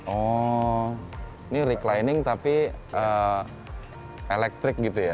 oh ini reclining tapi elektrik gitu ya